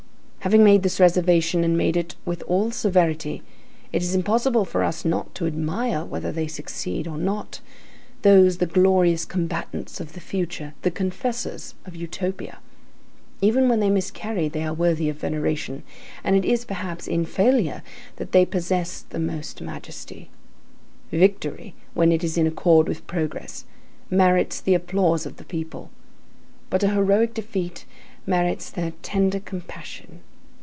Having made this reservation, and made it with all severity, it is impossible for us not to admire, whether they succeed or not, those the glorious combatants of the future, the confessors of Utopia. Even when they miscarry, they are worthy of veneration; and it is, perhaps, in failure, that they possess the most majesty. Victory, when it is in accord with progress, merits the applause of the people; but a heroic defeat merits their tender compassion.